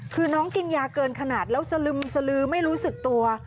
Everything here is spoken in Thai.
คือน้องกินยาเกินขนาดแล้วสลึมสลือไม่รู้สึกตัว